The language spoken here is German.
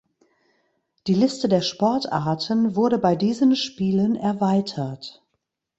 Die Liste der Sportarten wurde bei diesen Spielen erweitert.